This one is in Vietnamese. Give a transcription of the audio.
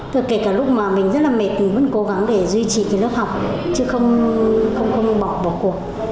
thực kể cả lúc mà mình rất là mệt mình vẫn cố gắng để duy trì cái lớp học chứ không bỏ cuộc